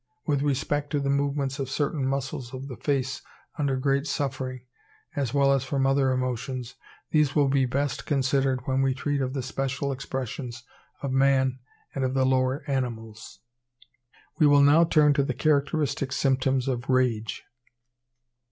With respect to the movements of certain muscles of the face under great suffering, as well as from other emotions, these will be best considered when we treat of the special expressions of man and of the lower animals. We will now turn to the characteristic symptoms of Rage.